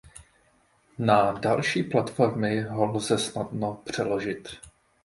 Na další platformy ho lze snadno přeložit.